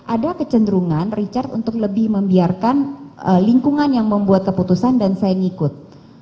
ada kecenderungan richard untuk lebih membiarkan lingkungan yang membuat keputusan dan saya ngikut